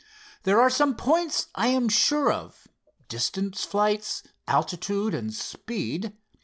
"There are some points I am sure of—distance flights, altitude and speed.